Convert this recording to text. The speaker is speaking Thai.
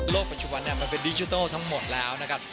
ปัจจุบันมันเป็นดิจิทัลทั้งหมดแล้วนะครับ